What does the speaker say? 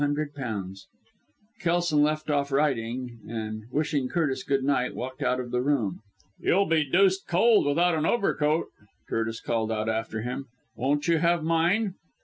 Kelson left off writing, and, wishing Curtis good night, walked out of the room. "You'll be deuced cold without an overcoat," Curtis called out after him. "Won't you have mine?"